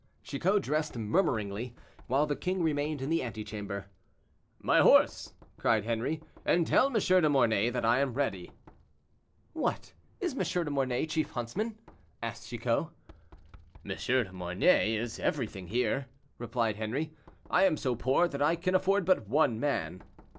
Chicot dressed murmuringly, while the king remained in the antechamber. "My horse," cried Henri; "and tell M. de Mornay that I am ready." "What! is M. de Mornay chief huntsman?" asked Chicot. "M. de Mornay is everything here," replied Henri. "I am so poor, than I can afford but one man."